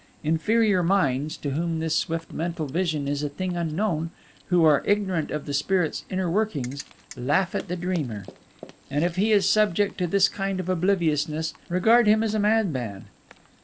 "Inferior minds, to whom this swift mental vision is a thing unknown, who are ignorant of the spirit's inner workings, laugh at the dreamer; and if he is subject to this kind of obliviousness, regard him as a madman.